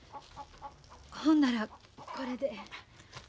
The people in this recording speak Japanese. ほんならこれで。